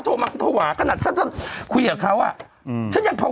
โทรมาโทรหวาขนาดฉันจะคุยกับเขาอ่ะอืมฉันยังโทร